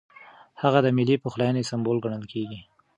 هغه د ملي پخلاینې سمبول ګڼل کېږي.